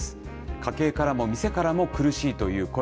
家計からも店からも苦しいという声。